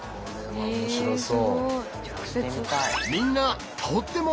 面白そう。